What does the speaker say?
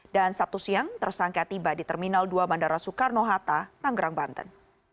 dan sabtu siang tersangka tiba di terminal dua bandara soekarno hatta tanggerang banten